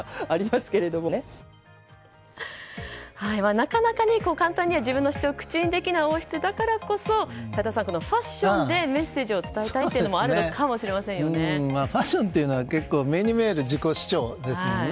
なかなか簡単には自分の主張を口にできない王室だからこそ、齋藤さんファッションでメッセージを伝えたいというのもファッションというのは目に見える自己主張ですもんね。